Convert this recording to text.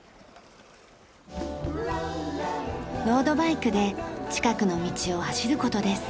ロードバイクで近くの道を走る事です。